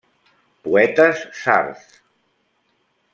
Poetes sards.